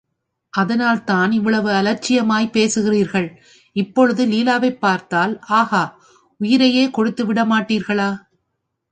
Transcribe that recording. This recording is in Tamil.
அதனால்தான் இவ்வளவு அலட்சியமாய்ப் பேசுகிறீர்கள், இப்பொழுது லீலாவைப் பார்த்தால், ஆஹா.... உயிரையே கொடுத்து விடமாட்டீர்களா!